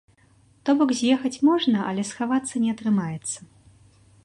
То бок, з'ехаць можна, але схавацца не атрымаецца.